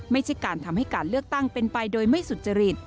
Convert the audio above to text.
ไม่ใช่การทำให้การเลือกตั้งเป็นไปโดยไม่สุจริต